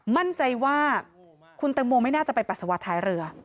มั่นใจว่าคุณตังโมไม่น่าจะไปปัสสาวะท้ายเรือ